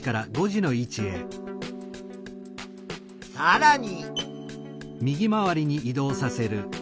さらに。